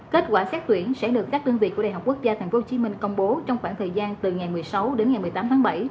kết quả xét tuyển sẽ được các đơn vị của đại học quốc gia tp hcm công bố trong khoảng thời gian từ ngày một mươi sáu đến ngày một mươi tám tháng bảy